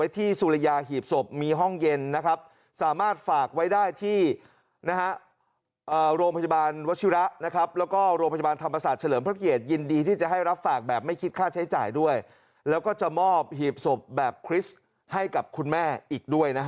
ทำไมทำร้ายลูกเราขนาดนี้